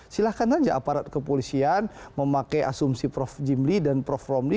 silahkan saja aparat kepolisian memakai asumsi prof jimli dan prof romli